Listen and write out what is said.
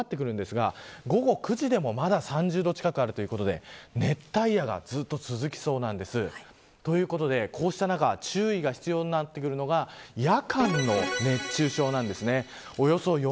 その後、気温が少しずつ下がるんですが午後９時でもまだ３０度近くあるということで熱帯夜がずっと続きそうです。ということで、こうした中注意が必要になってくるのが夜間の熱中症です。